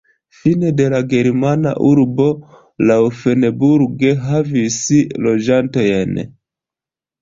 Fine de la germana urbo Laufenburg havis loĝantojn.